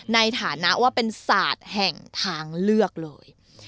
ในฐานะว่าเป็นศาสตร์แห่งทางเลือกเลย